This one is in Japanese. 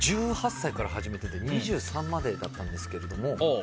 １８歳から始めてて２３までだったんですけど。